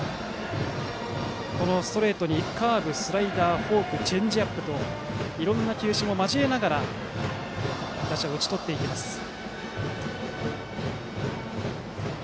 このストレートにカーブ、スライダーフォーク、チェンジアップといろんな球種も交えながら打者を打ち取っていく友廣。